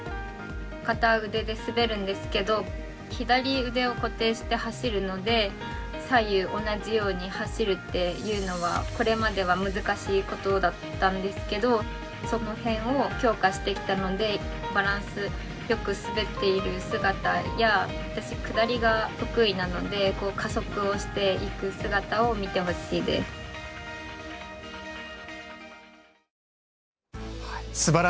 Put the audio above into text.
片腕で滑るんですけど左腕を固定して走るので左右同じように走るっていうのはこれまでは難しいことだったんですけどそのへんを強化してきたのでバランスよく滑っている姿や私、下りが得意なので加速をしていく姿を見てほしいです。